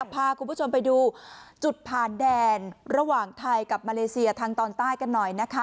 พาคุณผู้ชมไปดูจุดผ่านแดนระหว่างไทยกับมาเลเซียทางตอนใต้กันหน่อยนะคะ